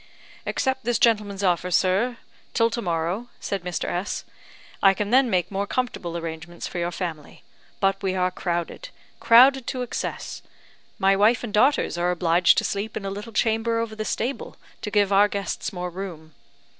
"Accept this gentleman's offer, sir, till to morrow," said Mr. S , "I can then make more comfortable arrangements for your family; but we are crowded crowded to excess. My wife and daughters are obliged to sleep in a little chamber over the stable, to give our guests more room.